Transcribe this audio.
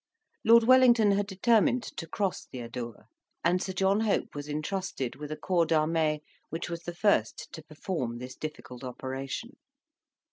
Lord Wellington had determined to cross the Adour, and Sir John Hope was intrusted with a corps d'armee, which was the first to perform this difficult operation.